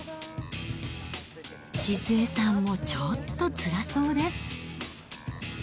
静恵さんもちょっとつらそうです。